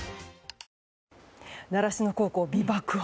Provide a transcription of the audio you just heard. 習志野高校、美爆音。